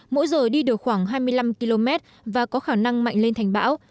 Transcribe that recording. mỗi giờ đi được khoảng hai mươi năm km và có khả năng mạnh lên thành bão